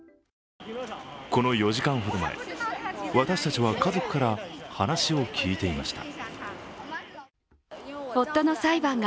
この４時間ほど前、私たちは家族から話を聞いていました。